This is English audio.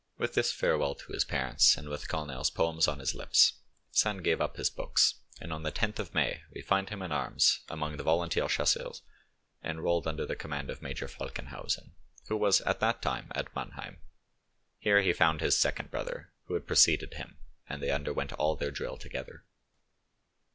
With this farewell to his parents, and with Korner's poems on his lips, Sand gave up his books, and on the 10th of May we find him in arms among the volunteer chasseurs enrolled under the command of Major Falkenhausen, who was at that time at Mannheim; here he found his second brother, who had preceded him, and they underwent all their drill together.